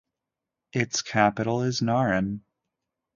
Its capital is Naryn.